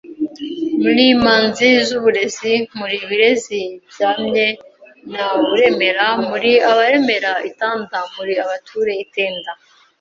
Muri imanzi z’uburezi Muri ibirezi byamye na uremera Muri abaremere ’i Tanda Muri abature ’i Tenda